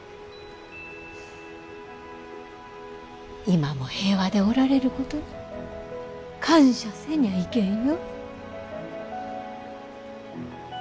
今も平和でおられることに感謝せにゃいけんよ。